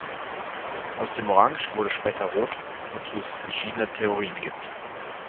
Aus dem Orange wurde später Rot, wozu es verschiedene Theorien gibt.